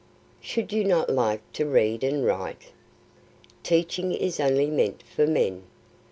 "Should you not like to read and write?" "Teaching is only meant for men.